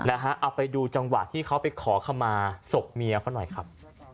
เอาไปดูจังหวะที่เขาไปขอขมาศพเมียเขาหน่อยครับ